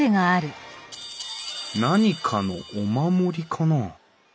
何かのお守りかな？